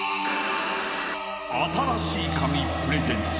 ［『新しいカギ』プレゼンツ］